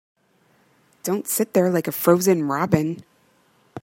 Don't sit there like a frozen robin.